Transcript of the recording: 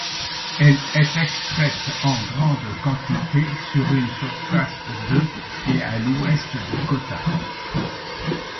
Elle est extraite en grande quantité sur une surface de à l'ouest de Kota.